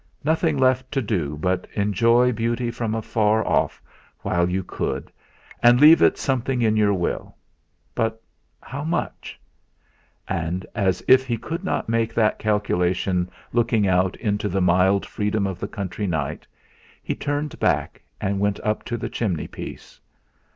Nothing left to do but enjoy beauty from afar off while you could, and leave it something in your Will. But how much? And, as if he could not make that calculation looking out into the mild freedom of the country night, he turned back and went up to the chimney piece.